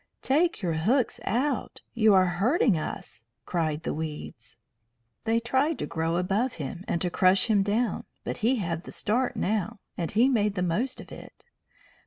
"Take your hooks out. You are hurting us!" cried the weeds. They tried to grow above him and to crush him down, but he had the start now, and he made the most of it.